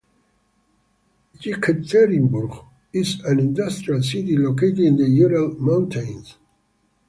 Yekaterinburg is an industrial city located in the Ural Mountains.